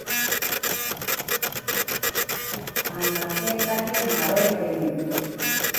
Amajetaje maaroiteni.